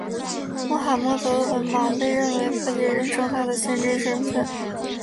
穆罕默德的文盲被认为可以认证他的先知身份。